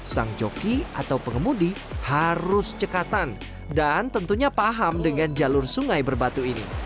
sang joki atau pengemudi harus cekatan dan tentunya paham dengan jalur sungai berbatu ini